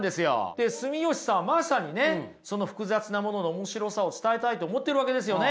で住吉さんはまさにねその複雑なものの面白さを伝えたいと思ってるわけですよね。